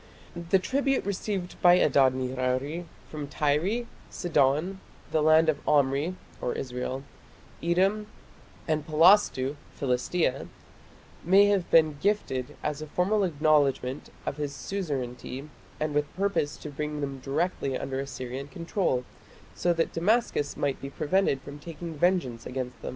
The tribute received by Adad nirari from Tyre, Sidon, the land of Omri (Israel), Edom, and Palastu (Philistia) may have been gifted as a formal acknowledgment of his suzerainty and with purpose to bring them directly under Assyrian control, so that Damascus might be prevented from taking vengeance against them.